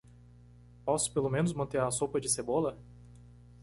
Posso pelo menos manter a sopa de cebola?